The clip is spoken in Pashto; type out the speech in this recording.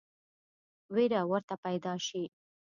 وېره ورته پیدا شي.